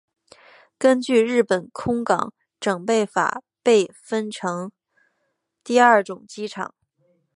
根据日本空港整备法被分成第二种机场。